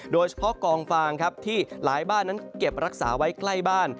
โดยเฉพาะกองฟางครับที่หลายบ้านนั้นเก็บรักษาไว้ใกล้บ้าน